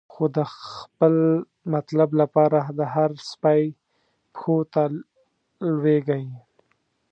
خو د خپل مطلب لپاره، د هر سپی پښو ته لویږی